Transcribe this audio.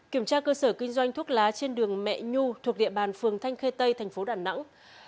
kiểm tra cơ sở kinh doanh thuốc lá trên đường mẹ nhu thuộc địa bàn phường thanh khê tây thành phố đà nẵng